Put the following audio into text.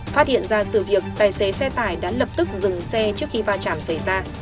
phát hiện ra sự việc tài xế xe tải đã lập tức dừng xe trước khi va chạm xảy ra